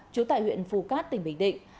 trú tại huyện phù cát tỉnh bình định